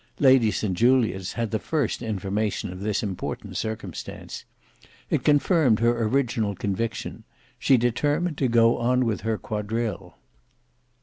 Lady St Julians had the first information of this important circumstance; it confirmed her original conviction: she determined to go on with her quadrille.